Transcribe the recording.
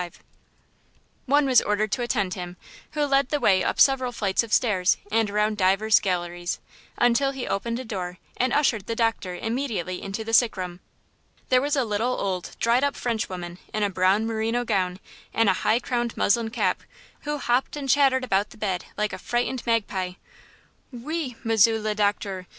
One was ordered to attend him, who led the way up several flights of stairs and around divers galleries, until he opened a door and ushered the doctor immediately into the sick room. There was a little, old, dried up Frenchwoman in a brown merino gown and a high crowned muslin cap who hopped and chattered about the bed like a frightened magpie. "Ou! Monsieur le Docteur!"